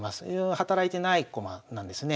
働いてない駒なんですね。